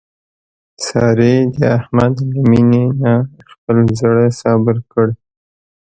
سارې د احمد له مینې نه خپل زړه صبر کړ.